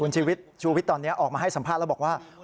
ชูวิทย์ตอนนี้ออกมาให้สัมภาษณ์แล้วบอกว่า